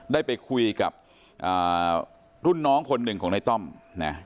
ได้ไปคุยกับอ่ารุ่นน้องคนหนึ่งของนายต้อมเนี่ย